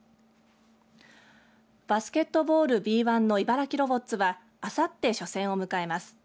バスケットボールＢ１の茨城ロボッツはあさって初戦を迎えます。